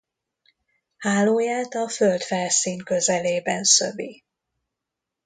Hálóját a földfelszín közelében szövi.